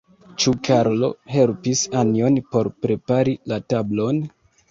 Ĉu Karlo helpis Anjon por prepari la tablon?